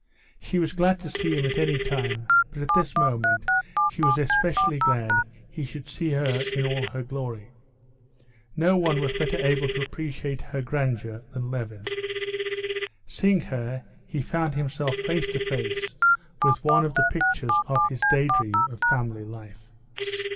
She was glad to see him at any time, but at this moment she was specially glad he should see her in all her glory. No one was better able to appreciate her grandeur than Levin. Seeing her, he found himself face to face with one of the pictures of his daydream of family life.